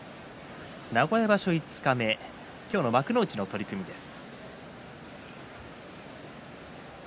名古屋場所、五日目今日の幕内の取組です。